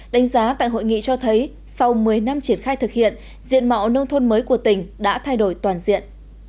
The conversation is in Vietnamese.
đánh giá tại hội nghị cho thấy sau một mươi năm triển khai thực hiện diện mạo nông thôn mới của tỉnh đã thay đổi toàn diện